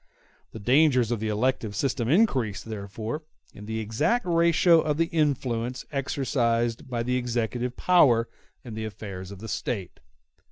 The dangers of the elective system increase, therefore, in the exact ratio of the influence exercised by the executive power in the affairs of State.